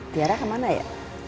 tiara kemana ya